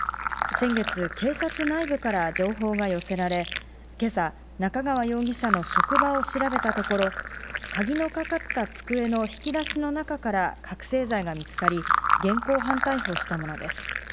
先月、警察内部から情報が寄せられ、けさ、中川容疑者の職場を調べたところ、鍵のかかった机の引き出しの中から覚醒剤が見つかり、現行犯逮捕したものです。